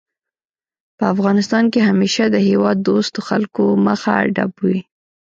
په افغانستان کې همېشه د هېواد دوستو خلکو مخه ډب وي